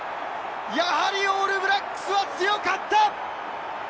やはりオールブラックスは強かった！